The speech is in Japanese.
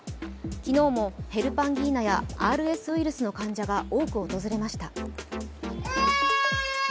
昨日もヘルパンギーナや、ＲＳウイルスの患者が多く訪れました。